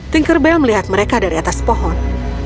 tinker bell melihat mereka dari atas pohon